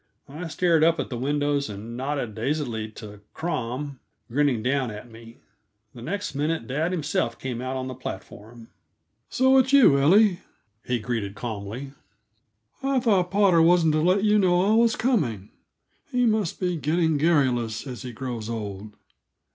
I stared up at the windows, and nodded dazedly to Crom, grinning down at me. The next minute, dad himself came out on the platform. "So it's you, Ellie?" he greeted calmly. "I thought Potter wasn't to let you know I was coming; he must be getting garrulous as he grows old.